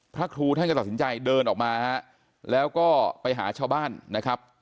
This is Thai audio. พระครูท่านก็ตัดสินใจเดินออกมาฮะแล้วก็ไปหาชาวบ้านนะครับ